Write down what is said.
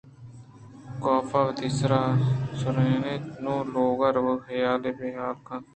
کاف ءَوتی سر سُرینت ءُنوں لوگ ءَ روگ ءِ حیالے بے حال کُت